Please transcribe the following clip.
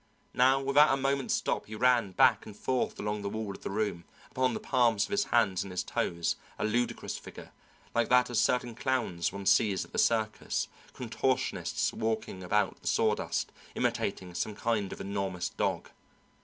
Now without a moment's stop he ran back and forth along the wall of the room, upon the palms of his hands and his toes, a ludicrous figure, like that of certain clowns one sees at the circus, contortionists walking about the sawdust, imitating some kind of enormous dog.